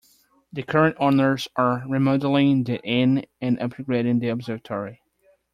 The current owners are remodeling the inn and upgrading the observatory.